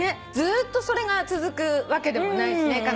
ずーっとそれが続くわけでもないしね。